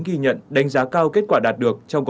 ghi nhận đánh giá cao kết quả đạt được